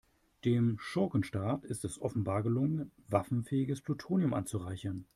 Dem Schurkenstaat ist es offenbar gelungen, waffenfähiges Plutonium anzureichern.